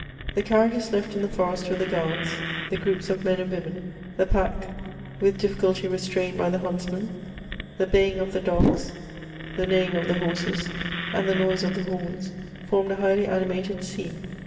The carriages left in the forest with the guards, — the groups of men and women, — the pack, with difficulty re strained by the huntsmen, 7 the baying of the dogs, ^the neighing of the horses, and^the noise of the horns, formed a highly animated scene.